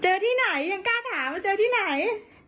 ที่ไหนยังกล้าถามว่าเจอที่ไหน